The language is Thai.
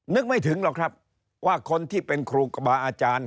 นึกไม่ถึงหรอกครับว่าคนที่เป็นครูบาอาจารย์